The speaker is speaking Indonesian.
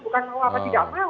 bukan mau apa tidak mau